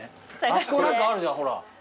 あそこ何かあるじゃんほら。